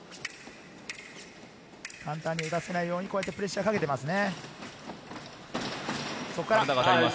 簡単に打たせないようにプレッシャー、かけていますね。